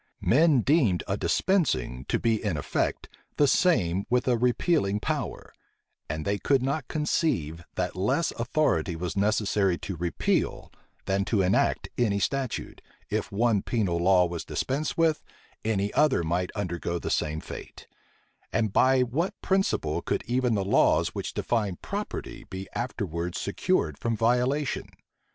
Men deemed a dispensing to be in effect the same with a repealing power; and they could not conceive, that less authority was necessary to repeal than to enact any statute, if one penal law was dispensed with, any other might undergo the same fate: and by what principle could even the laws which define property be afterwards secured from violation?